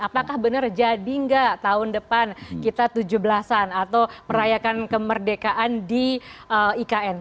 apakah benar jadi nggak tahun depan kita tujuh belasan atau perayakan kemerdekaan di ikn